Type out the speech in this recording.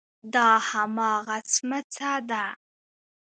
دا هماغه څمڅه ده.